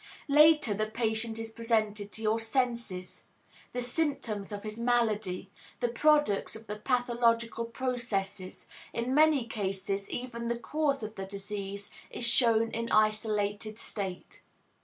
Later the patient is presented to your senses; the symptoms of his malady, the products of the pathological processes, in many cases even the cause of the disease is shown in isolated state.